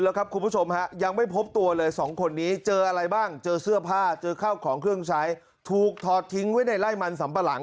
แล้วครับคุณผู้ชมฮะยังไม่พบตัวเลยสองคนนี้เจออะไรบ้างเจอเสื้อผ้าเจอข้าวของเครื่องใช้ถูกถอดทิ้งไว้ในไล่มันสัมปะหลัง